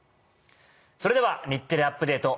それでは『日テレアップＤａｔｅ！』